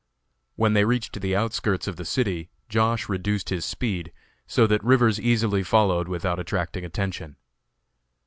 When they reached the outskirts of the city Josh. reduced his speed, so that Rivers easily followed without attracting attention.